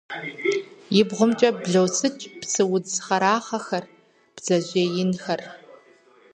И бгъумкӀэ блосыкӀ псы удз хъэрахъэхэр, бдзэжьей инхэр.